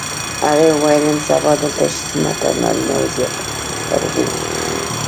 هغې وویل نن سبا دلته ښځینه تر نارینه و زیات فارغېږي.